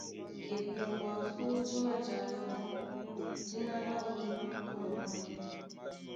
Ekombo ásū dí mājanɔ́ dína láō ná Kamerû.